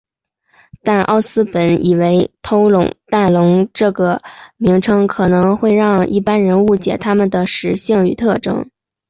但奥斯本认为偷蛋龙这名称可能会让一般人误解它们的食性与特征。